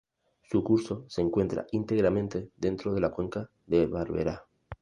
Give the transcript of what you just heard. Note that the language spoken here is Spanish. Su curso se encuentra íntegramente dentro la Cuenca de Barberá.